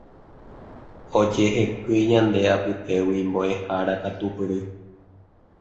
ojehekýi ñande apytégui mbo'ehára katupyry